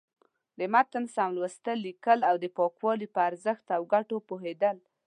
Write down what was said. د متن سم لوستل، ليکل او د پاکوالي په ارزښت او گټو پوهېدل.